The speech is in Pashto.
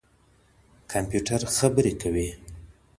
کمپيوټر خبري کوي.